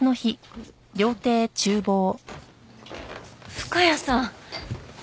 深谷さん！